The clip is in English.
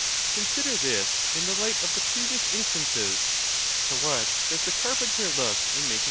Consider this in the light of the previous instances: to what does the carpenter look in Cratylus.